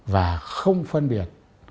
và không phân biệt